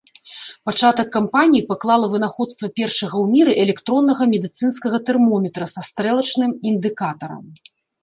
Пачатак кампаніі паклала вынаходства першага ў міры электроннага медыцынскага тэрмометра са стрэлачным індыкатарам.